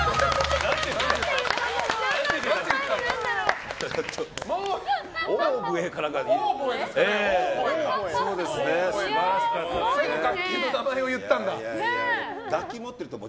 何で楽器の名前言ったんだ。